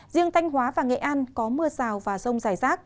riêng thanh hóa và nghệ an có mưa rào và rông rải rác